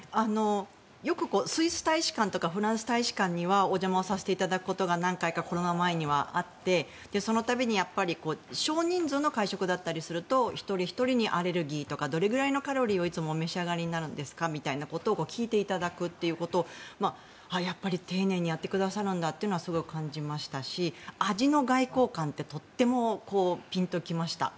よくスイス大使館とかフランス大使館にはお邪魔をさせていただくことが何回かコロナ禍前にはあってその度に少人数の会食だったりすると一人ひとりにアレルギーとかどれぐらいのエネルギーをいつもお召しになるんですかと聞いていただくっていうことをやっぱり丁寧にやってくださるんだっていうのはすごく感じましたし味の外交官ってとてもピンと来ました。